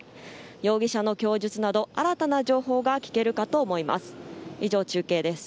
容疑者の供述など新たな情報が聞けるかと思います。